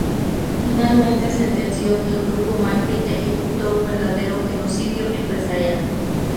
Finalmente sentenció que “el Grupo Macri ejecutó un verdadero genocidio empresarial“.